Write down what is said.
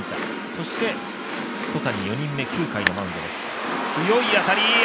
そして曽谷４人目９回のマウンドです。